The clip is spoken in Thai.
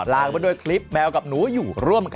ลาไปแล้วครับสวัสดีค่ะ